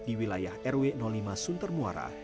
di wilayah rw lima suntermuara